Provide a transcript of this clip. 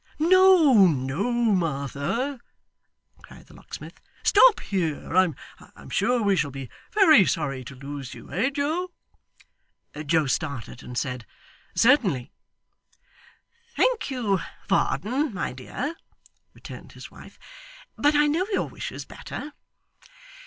'No, no, Martha,' cried the locksmith. 'Stop here. I'm sure we shall be very sorry to lose you, eh Joe!' Joe started, and said 'Certainly.' 'Thank you, Varden, my dear,' returned his wife; 'but I know your wishes better.